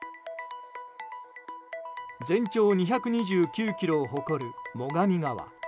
全長２２９ｋｍを誇る最上川。